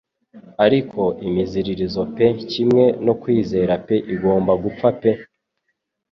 Ariko imiziririzo pe kimwe no kwizera pe igomba gupfa pe